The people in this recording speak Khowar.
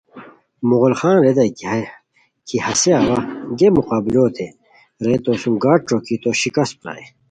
مغل خان ریتائے کی ہسے اوا، گیے مقابلوتے! رے تو سوم گاٹ ݯوکی تو شکست پرائے